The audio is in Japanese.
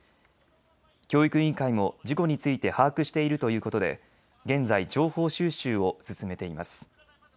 教育委員会も事故について把握しているということで現在、情報収集を進めています。